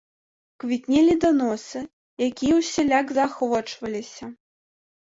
Квітнелі даносы, якія ўсяляк заахвочваліся.